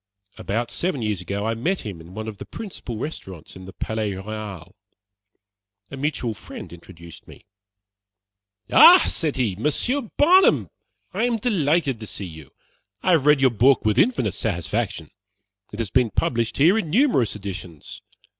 About seven years ago, I met him in one of the principal restaurants in the Palais Royale. A mutual friend introduced me. "Ah!" said he, "Monsieur Barnum, I am delighted to see you. I have read your book with infinite satisfaction. It has been published here in numerous editions.